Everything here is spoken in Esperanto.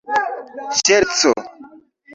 ŝerco